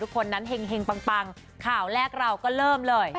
ข่าวแรกเราก็เริ่มเลย